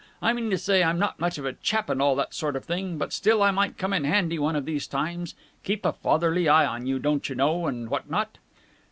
I mean to say, I'm not much of a chap and all that sort of thing, but still I might come in handy one of these times. Keep a fatherly eye on you, don't you know, and what not!"